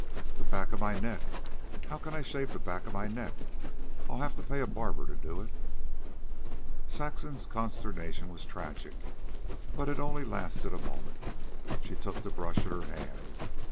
"The back of my neck how can I shave the back of my neck? I'll have to pay a barber to do it." Saxon's consternation was tragic, but it only lasted a moment. She took the brush in her hand.